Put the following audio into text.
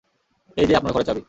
এই যে আপনার ঘরের চাবি।